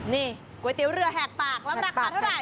นี่ก๋วยเตี๋ยวเรือแหกปากร้ำนักคันเท่าไหร่